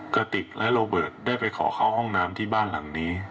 กระติกและโรเบิร์ตได้ไปขอเข้าห้องน้ำที่บ้านหลังนี้